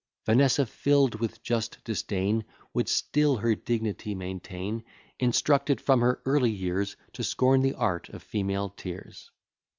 Vanessa, fill'd with just disdain, Would still her dignity maintain, Instructed from her early years To scorn the art of female tears.